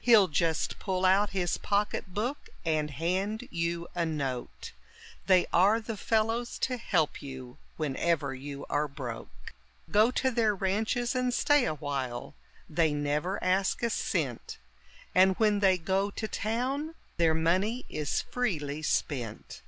He'll just pull out his pocket book and hand you a note, They are the fellows to help you whenever you are broke. Go to their ranches and stay a while, they never ask a cent; And when they go to town, their money is freely spent.